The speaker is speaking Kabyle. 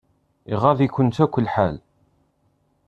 Iɣaḍ-ikunt akk lḥal.